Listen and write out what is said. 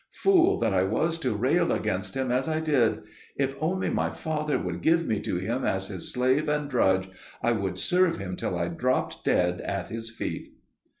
Fool that I was to rail against him as I did! If only my father would give me to him as his slave and drudge, I would serve him till I dropped dead at his feet."